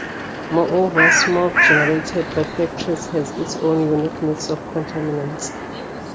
Moreover, smog generated by factories has its own unique mix of contaminants.